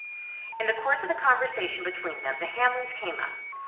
In the course of the conversation between them the Hamleys came up.